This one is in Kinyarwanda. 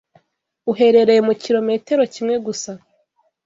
uherereye mu kilometero kimwe gusa